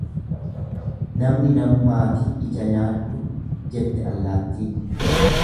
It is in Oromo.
Namni namumaatii ija nyaadhu! jette allaattiin.